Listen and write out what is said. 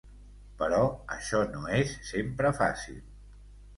Però això no és sempre fàcil.